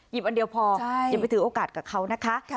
อันเดียวพออย่าไปถือโอกาสกับเขานะคะ